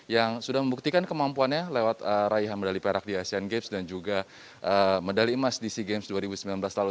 yang sudah membuktikan kemampuannya lewat raihan medali perak di asean games dan juga medali emas di sea games dua ribu sembilan belas lalu